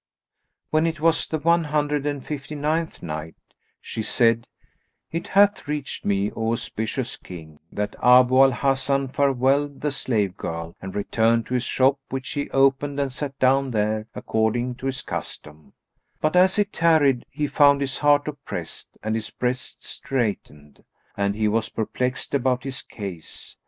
When it was the One Hundred and Fifty ninth Night, She said, It hath reached me, O auspicious King, that Abu al Hasan farewelled the slave girl and returned to his shop which he opened and sat down there according to his custom; but as he tarried, he found his heart oppressed and his breast straitened, and he was perplexed about his case.